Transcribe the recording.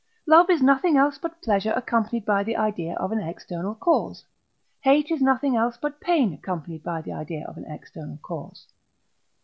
Love is nothing else but pleasure accompanied by the idea of an external cause: Hate is nothing else but pain accompanied by the idea of an external cause.